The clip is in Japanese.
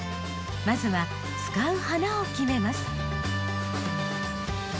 まずは使う花を決めます。